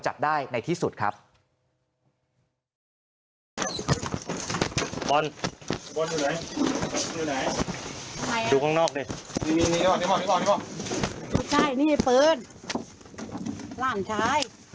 ใช่นี่ไอ้เปิดล่างท้ายบอลเหรอบอลน่ะบอลน่ะไม่ใช่ไม่ใช่